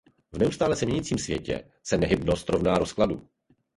V neustále se měnícím světě se nehybnost rovná rozkladu.